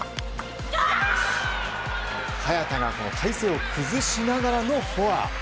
早田が体勢を崩しながらのフォア。